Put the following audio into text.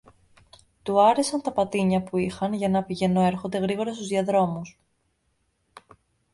Του άρεσαν τα πατίνια που είχαν για να πηγαινοέρχονται γρήγορα στους διαδρόμους